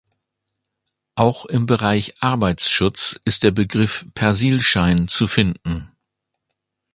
Auch im Bereich Arbeitsschutz ist der Begriff "Persilschein" zu finden.